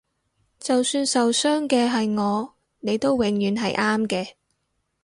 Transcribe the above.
就算受傷嘅係我你都永遠係啱嘅